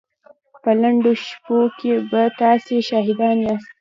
په لنډو شپو کې به تاسې شاهدان ياست.